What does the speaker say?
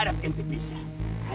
apa yang terjadi